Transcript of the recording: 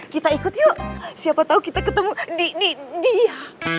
kita ikut yuk siapa tahu kita ketemu dia